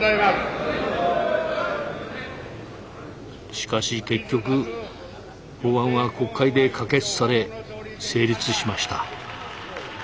しかし結局法案は国会で可決され成立しました。